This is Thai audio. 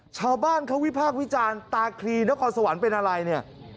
ชาวบ้านเขาวิพากษ์วิจารณ์ตาคลีนครสวรรค์เป็นอะไรเนี่ย